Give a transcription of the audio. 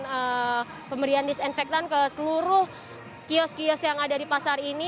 kemudian pemberian disinfektan ke seluruh kios kios yang ada di pasar ini